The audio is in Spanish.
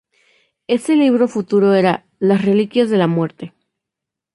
Ese libro futuro era "las Reliquias de la Muerte".